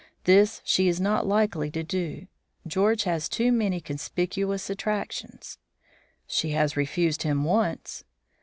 This she is not likely to do; George has too many conspicuous attractions." "She has refused him once."